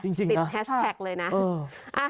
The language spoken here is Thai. จริงนะติดแฮสแพคเลยนะ